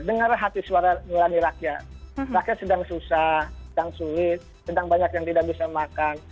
dengarlah hati suara melani rakyat rakyat sedang susah sedang sulit sedang banyak yang tidak bisa makan